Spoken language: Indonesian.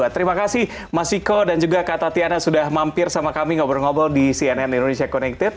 terima kasih mas ciko dan juga kak tatiana sudah mampir sama kami ngobrol ngobrol di cnn indonesia connected